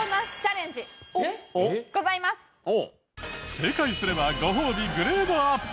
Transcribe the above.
正解すればご褒美グレードアップ。